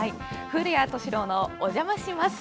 「古谷敏郎のおじゃまします」。